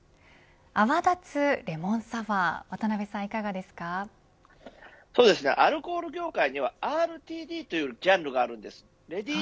泡立つレモンサワ―渡辺アルコール業界ではＲＴＤというジャンルがあります。